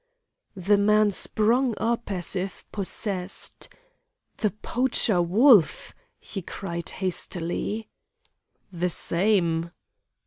"The man sprung up as if possessed. 'The poacher Wolf,' he cried hastily. "'The same!